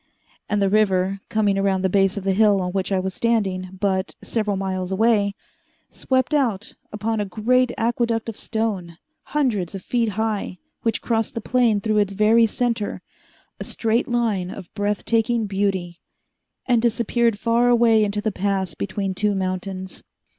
And the river, coming around the base of the hill on which I was standing, but several miles away, swept out upon a great aqueduct of stone, hundreds of feet high, which crossed the plain through its very center, a straight line of breath taking beauty, and disappeared far away into the pass between two mountains.